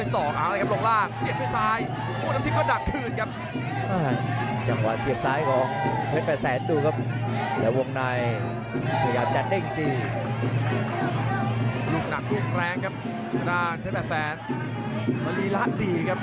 ซาลีระเดียวครับ